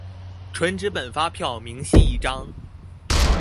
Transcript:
純紙本發票明細一張